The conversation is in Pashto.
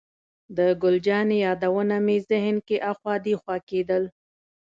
د ګل جانې یادونه مې ذهن کې اخوا دېخوا کېدل.